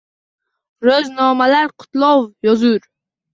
Ro’znomalar qutlov yozur.